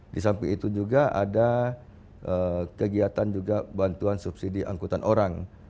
di samping itu juga ada kegiatan juga bantuan subsidi angkutan orang